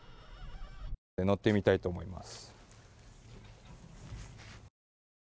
乗ってみたいと思います。